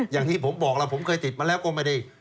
อย่างที่ผมบอกแล้วผมเคยติดมาแล้วก็ไม่ได้